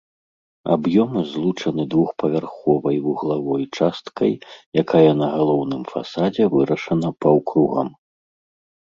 Аб'ёмы злучаны двухпавярховай вуглавой часткай, якая на галоўным фасадзе вырашана паўкругам.